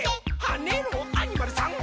「はねろアニマルさん！」